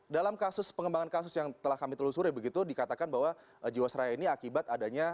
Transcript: dalam kasus pengembangan kasus yang telah kami telusuri begitu dikatakan bahwa jiwasraya ini akibat adanya